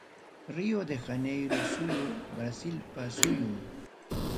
Rio de Janeiro suyuqa Brasilpa suyum.